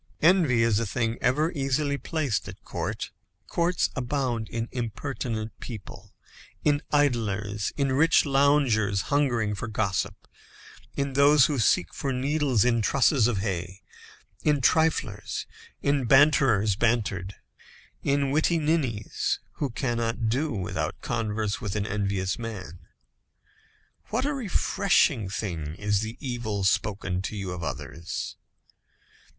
Envy is a thing ever easily placed at court. Courts abound in impertinent people, in idlers, in rich loungers hungering for gossip, in those who seek for needles in trusses of hay, in triflers, in banterers bantered, in witty ninnies, who cannot do without converse with an envious man. What a refreshing thing is the evil spoken to you of others.